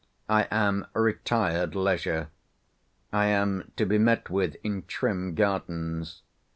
I am Retired Leisure. I am to be met with in trim gardens.